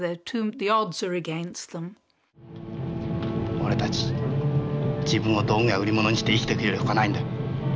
俺たち自分を道具や売り物にして生きていくより他ないんだ。